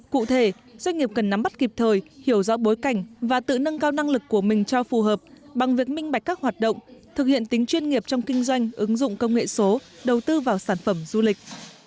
cụ thể doanh nghiệp cần nắm bắt kịp thời hiểu rõ bối cảnh và tự nâng cao năng lực của mình cho phù hợp bằng việc minh bạch các hoạt động thực hiện tính chuyên nghiệp trong kinh doanh ứng dụng công nghệ số đầu tư vào sản phẩm du lịch